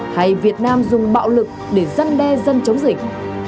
hay việt nam dùng bạo lực để giăn đe dân chống dịch